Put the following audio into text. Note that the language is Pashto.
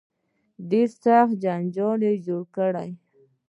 ډېر سخت جنجال جوړ کړ.